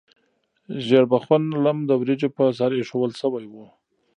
ژیړبخون لم د وریجو په سر ایښودل شوی و.